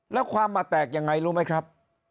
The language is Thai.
แล้วความมาแตกยังไงรู้ไหมครับ